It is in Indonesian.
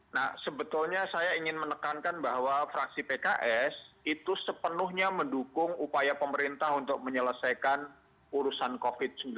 nah sebetulnya saya ingin menekankan bahwa fraksi pks itu sepenuhnya mendukung upaya pemerintah untuk menyelesaikan urusan covid sembilan belas